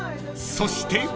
［そして］